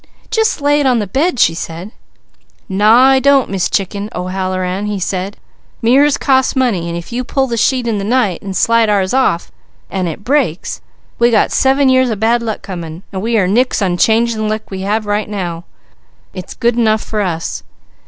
"Just lay it on the bed," she said. "Naw I don't, Miss Chicken O'Halloran!" he said. "Mirrors cost money, and if you pull the sheet in the night, and slide ours off, and it breaks, we got seven years of bad luck coming, and we are nix on changing the luck we have right now. It's good enough for us.